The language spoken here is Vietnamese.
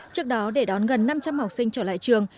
trước đó để đón gần năm trăm linh học sinh trở lại trường